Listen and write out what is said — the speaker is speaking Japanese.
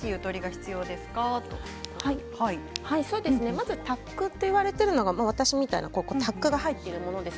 まずタックといわれているのが私みたいなタックが入っているものです。